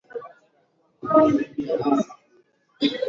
Sisi hawawezi kuenda uko waje kwetu